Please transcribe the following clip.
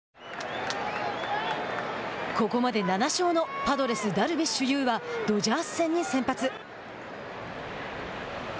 ここまで７勝のパドレスダルビッシュ有はドジャース戦に先発。